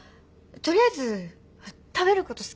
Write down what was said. とりあえず食べること好き。